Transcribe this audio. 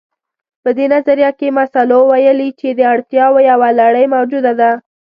په دې نظريه کې مسلو ويلي چې د اړتياوو يوه لړۍ موجوده ده.